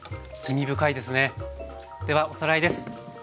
ではおさらいです。